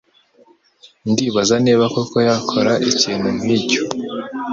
Ndibaza niba koko yakora ikintu nkicyo.